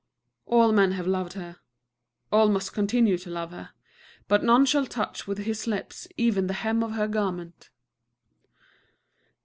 All men have loved her; all must continue to love her. But none shall touch with his lips even the hem of her garment.